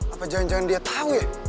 apa jangan jangan dia tahu ya